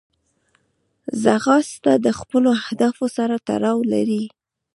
ځغاسته د خپلو اهدافو سره تړاو لري